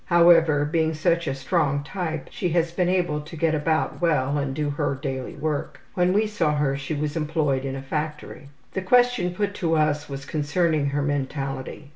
However, being such a strong type she has been able to get about well and do her daily work. When we saw her she was employed in a factory. The question put to us was concerning her mentality.